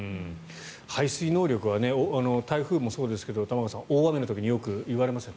排水能力は台風もそうですけど玉川さん、大雨の時によく言われますよね。